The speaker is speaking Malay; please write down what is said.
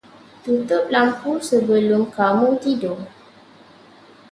Tutup lampu sebelum kamu tidur.